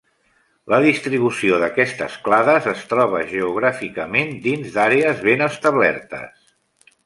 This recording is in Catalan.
La distribució d'aquests clades es troba geogràficament dins d'àrees ben establertes.